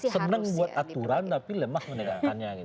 senang membuat aturan tapi lemah menegakkannya